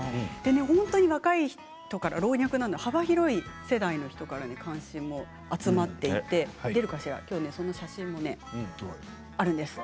本当に若い人から老若男女、幅広い世代の人から関心が集まっていてきょうはその写真もあるんです。